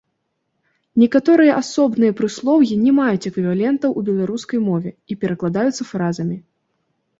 Некаторыя асобныя прыслоўі не маюць эквівалентаў у беларускай мове і перакладаюцца фразамі.